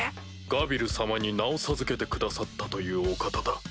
ガビル様に名を授けてくださったというお方だ。